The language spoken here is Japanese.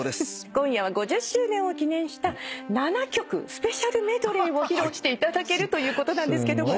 今夜は５０周年を記念した７曲スペシャルメドレーを披露していただけるということなんですけども。